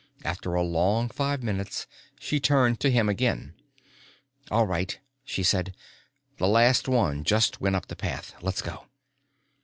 After a long five minutes she turned to him again. "All right," she said. "The last one just went up the path. Let's go."